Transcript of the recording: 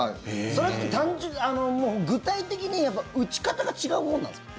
それは具体的に打ち方が違うものなんですか？